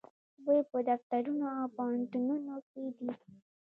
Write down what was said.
دوی په دفترونو او پوهنتونونو کې دي.